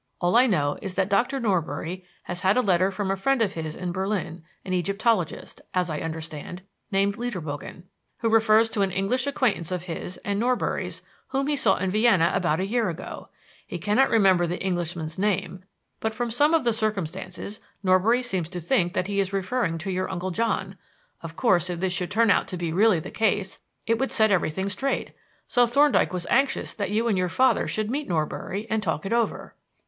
All I know is that Doctor Norbury has had a letter from a friend of his in Berlin, an Egyptologist, as I understand, named Lederbogen, who refers to an English acquaintance of his and Norbury's whom he saw in Vienna about a year ago. He cannot remember the Englishman's name, but from some of the circumstances Norbury seems to think that he is referring to your Uncle John. Of course, if this should turn out to be really the case, it would set everything straight; so Thorndyke was anxious that you and your father should meet Norbury and talk it over."